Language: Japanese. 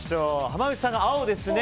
濱口さんが青ですね。